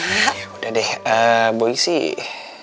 udah deh eh boy sih